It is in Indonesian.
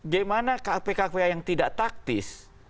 gimana kpk yang tidak taktis